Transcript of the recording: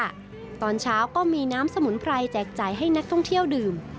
อันเวอร์ป่านเช้าก็มีน้ำสมุนไพรแจกใจให้นักท่องเที่ยวดื่ม